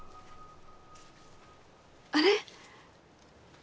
あれ？